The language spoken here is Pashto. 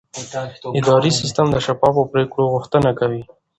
اداري سیستم د شفافو پریکړو غوښتنه کوي.